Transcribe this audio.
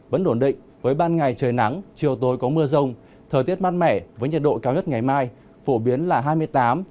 vẫn đổn định với ban ngày trời nắng chiều tối có mưa rông thời tiết mát mẻ với nhật độ cao nhất ngày mai